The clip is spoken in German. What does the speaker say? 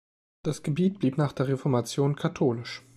Das Gebiet blieb nach der Reformation katholisch.